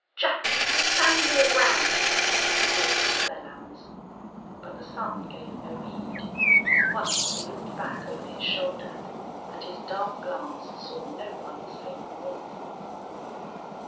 "Jack, stand your ground," called old Belllounds. But the son gave no heed. Once he looked back over his shoulder, and his dark glance saw no one save Moore.